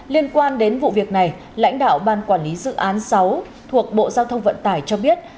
liên quan đến vụ việc này lãnh đạo ban quản lý dự án sáu thuộc bộ giao thông vận tải cho biết